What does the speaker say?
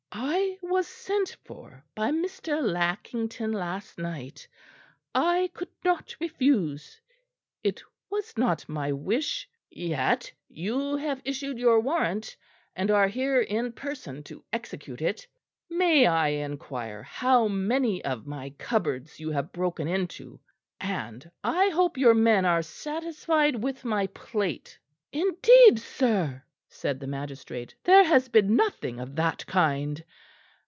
I was sent for by Mr. Lackington last night. I could not refuse. It was not my wish " "Yet you have issued your warrant, and are here in person to execute it. May I inquire how many of my cupboards you have broken into? And I hope your men are satisfied with my plate." "Indeed, sir," said the magistrate, "there has been nothing of that kind.